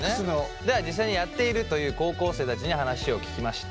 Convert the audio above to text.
では実際にやっているという高校生たちに話を聞きました。